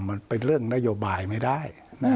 มันเป็นเรื่องนโยบายไม่ได้